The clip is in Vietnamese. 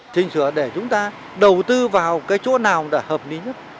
thành sự là để chúng ta đầu tư vào cái chỗ nào đã hợp lý nhất